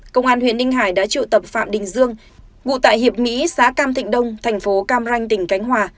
công an huyện ninh hải đã triệu tập phạm đình dương ngụ tại hiệp mỹ xã cam thịnh đông thành phố cam ranh tỉnh khánh hòa